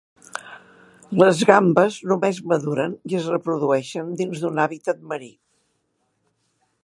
Les gambes només maduren i es reprodueixen dins d'un hàbitat marí.